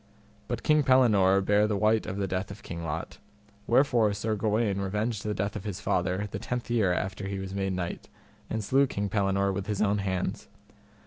But King Pellinore bare the wite of the death of King Lot, wherefore Sir Gawaine revenged the death of his father the tenth year after he was made knight, and slew King Pellinore with his own hands.